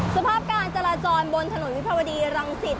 สภาพการจราจรบนถนนวิภาวดีรังสิต